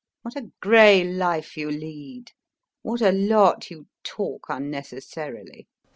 What a grey life you lead, what a lot you talk unnecessarily.